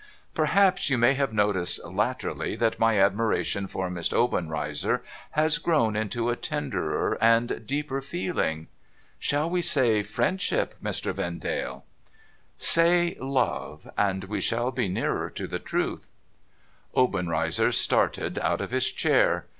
' Perhaps you may have noticed, latterly, that my admiration for Miss Obenreizer has grown into a tenderer and deeper feeling ?'' Shall we say friendship, Mr. Vendale ?' MR. OBENREIZER OBJECTS 523 'Say love— and we shall be nearer to the truth.' Obenreizer started out of his chair.